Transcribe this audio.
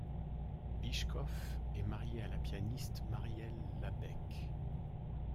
Bychkov est marié à la pianiste Marielle Labèque.